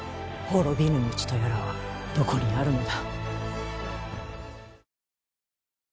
滅びぬ道とやらはどこにあるのだ。